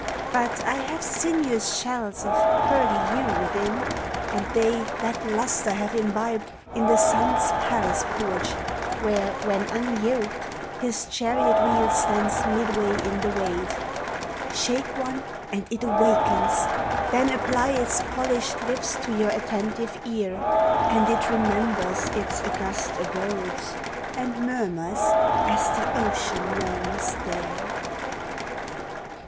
I>nt I have sinuous shells of pearly hue Within, and they that lustre have 4 imbibed In the Sun's palace porch, where when unyoked His chariot wheel stands midway in the wave: Shake one and it awakens, then apply Its polisht lips to your attentive ear And it remembers its augusi abodes. And murmurs as the ocean murmurs there.